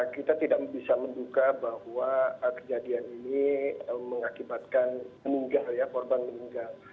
kita tidak bisa menduga bahwa kejadian ini mengakibatkan meninggal ya korban meninggal